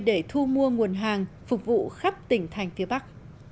để thu mua nguồn hàng phục vụ khắp tỉnh thành phía bắc